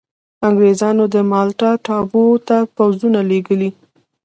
انګرېزانو د مالټا ټاپو ته پوځونه لېږلي.